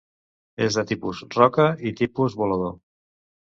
És de tipus roca i tipus volador.